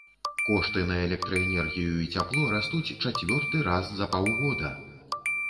Кошты на электраэнергію і цяпло растуць чацвёрты раз за паўгода!